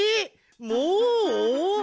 もう！？